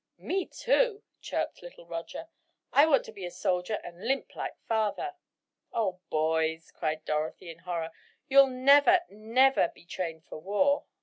"Me, too," chirped little Roger, "I want to be a soldier and limp like father!" "Oh, boys!" cried Dorothy, in horror, "you'll never, never be trained for war."